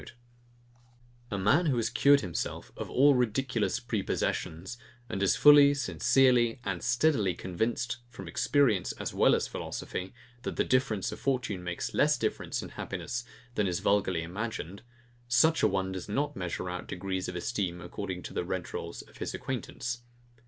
] A man who has cured himself of all ridiculous pre possessions, and is fully, sincerely, and steadily convinced, from experience as well as philosophy, that the difference of fortune makes less difference in happiness than is vulgarly imagined; such a one does not measure out degrees of esteem according to the rent rolls of his acquaintance.